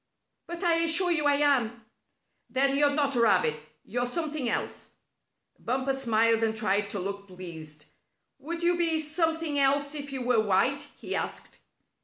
"But I assure you I am." "Then you're not a rabbit. You're something else." Bumper smiled and tried to look pleased. "Would you be something else if you were white?" he asked.